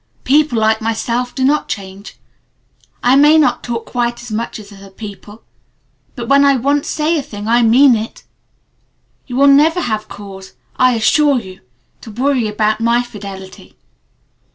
People like myself do not change. I may not talk quite as much as other people, but when I once say a thing I mean it! You will never have cause, I assure you, to worry about my fidelity.